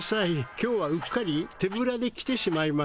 今日はうっかり手ぶらで来てしまいました。